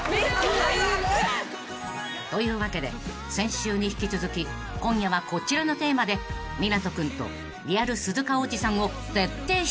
［というわけで先週に引き続き今夜はこちらのテーマで湊斗君とリアル鈴鹿央士さんを徹底比較］